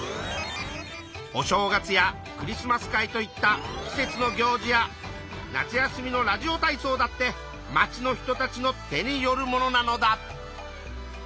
お正月やクリスマス会といった季節の行事や夏休みのラジオ体そうだってまちの人たちの手によるものなのだ。